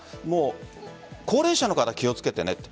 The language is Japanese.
高齢者の方は気をつけてねと。